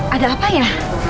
ada apa ya